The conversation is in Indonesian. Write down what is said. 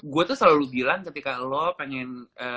gue tuh selalu bilang ketika lo pengen